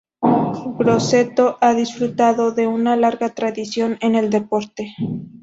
Grosseto ha disfrutado de una larga tradición en el deporte.